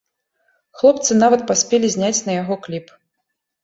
Хлопцы нават паспелі зняць на яго кліп.